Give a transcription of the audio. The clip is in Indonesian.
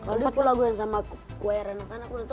lalu itu lagu yang sama choir anak anak gitu